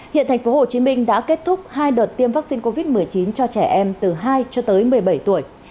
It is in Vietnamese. hiện tp hcm đã kết thúc hai đợt tiêm vaccine covid một mươi chín cho trẻ em từ hai cho tới một mươi bảy tuổi